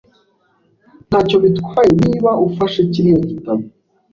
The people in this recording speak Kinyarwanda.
Ntacyo bitwaye niba ufashe kiriya gitabo .